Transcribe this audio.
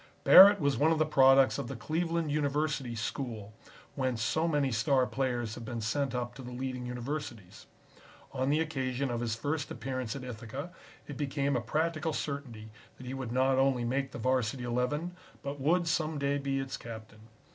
Barrett was one of the products of the Cleveland University School, whence so many star players have been sent up to the leading universities. On the occasion of his first appearance at Ithaca it became a practical certainty that he would not only make the Varsity Eleven, but would some day be its captain.